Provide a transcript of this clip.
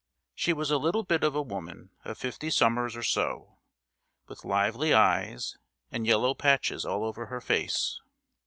She was a little bit of a woman of fifty summers or so, with lively eyes, and yellow patches all over her face.